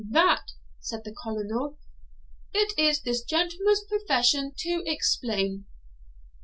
'That,' said the Colonel, 'it is this gentleman's profession to explain.'